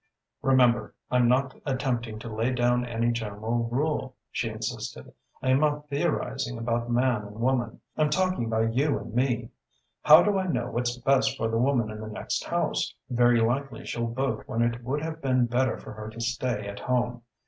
"'Remember, I'm not attempting to lay down any general rule,' she insisted; 'I'm not theorizing about Man and Woman, I'm talking about you and me. How do I know what's best for the woman in the next house? Very likely she'll bolt when it would have been better for her to stay at home.